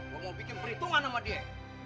gue mau bikin perhitungan sama dia